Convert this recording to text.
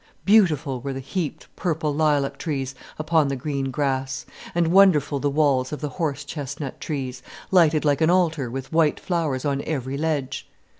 Beautiful were the heaped, purple lilac trees upon the green grass, and wonderful the walls of the horse chestnut trees, lighted like an altar with white flowers on every ledge.